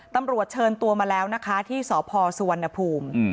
ตำรวจเชิญตัวมาแล้วนะคะที่สพสุวรรณภูมิ